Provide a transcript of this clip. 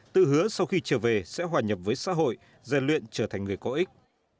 tự hứa sau khi trở về sẽ hòa nhập với xã hội gian luyện trở thành người có ích